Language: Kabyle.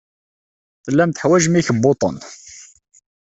Tellam teḥwajem ikebbuḍen.